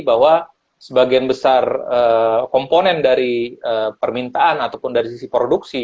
bahwa sebagian besar komponen dari permintaan ataupun dari sisi produksi